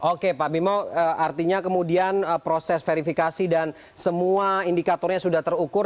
oke pak bimo artinya kemudian proses verifikasi dan semua indikatornya sudah terukur